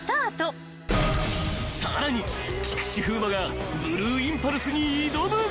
［さらに菊池風磨がブルーインパルスに挑む］